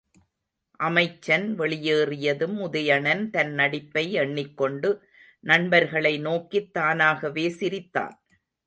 அமைச்சன் வெளியேறியதும் உதயணன், தன் நடிப்பை எண்ணிக் கொண்டு நண்பர்களை நோக்கித் தானாகவே சிரித்தான்.